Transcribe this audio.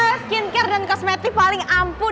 karena skincare dan kosmetik paling ampuh